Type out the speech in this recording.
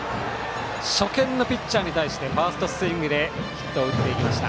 初見のピッチャーに対してファーストスイングでヒットを打っていきました。